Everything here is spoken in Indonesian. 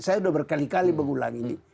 saya sudah berkali kali mengulang ini